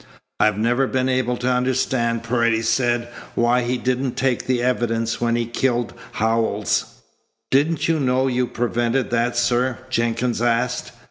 "I've never been able to understand," Paredes said, "why he didn't take the evidence when he killed Howells." "Didn't you know you prevented that, sir?" Jenkins asked.